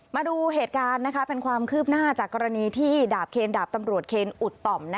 มาดูเหตุการณ์เป็นความคืบหน้าจากกรณีที่ดาบเคนดาบตำรวจเคนอุดต่อม